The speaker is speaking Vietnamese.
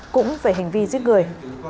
cũng về hành vi giết người